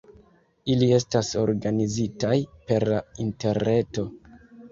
Ili estas organizitaj per la interreto.